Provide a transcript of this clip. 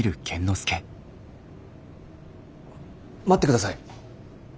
待ってください。